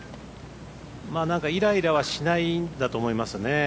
イライラはしないんだと思いますね。